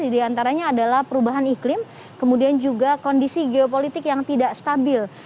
di antaranya adalah perubahan iklim kemudian juga kondisi geopolitik yang tidak stabil